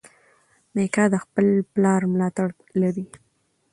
میکا د خپل پلار ملاتړ لري.